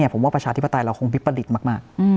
ผมว่าประชาธิปไตยเราคงวิปริตมาก